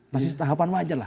masih tahapan wajar lah